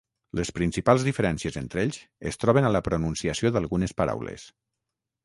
Les principals diferències entre ells es troben a la pronunciació d'algunes paraules.